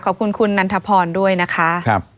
ขอบคุณคุณนันทพรด้วยนะคะ